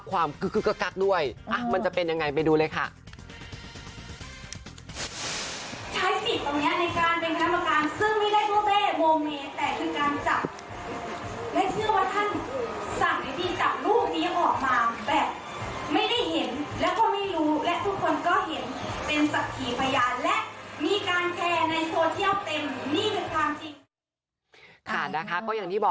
ท่านสั่งให้พี่จับลูกนี้ออกมาแบบ